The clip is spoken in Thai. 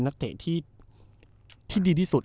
นักเตะที่ดีที่สุด